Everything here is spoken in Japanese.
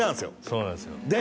そうなんすよ